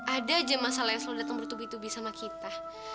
ada aja masalah yang selalu datang bertubi tubi sama kita